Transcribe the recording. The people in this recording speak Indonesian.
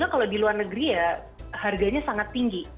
kalau di luar negeri ya harganya sangat tinggi